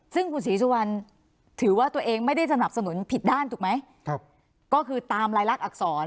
ซึ่งคุณศรีสุวรรณถือว่าตัวเองไม่ได้สนับสนุนผิดด้านถูกไหมก็คือตามรายลักษณอักษร